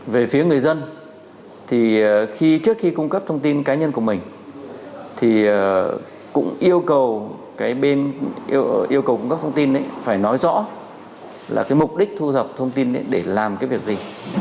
về phía người dân thì trước khi cung cấp thông tin cá nhân của mình thì cũng yêu cầu cung cấp thông tin phải nói rõ là mục đích thu thập thông tin để làm cái việc gì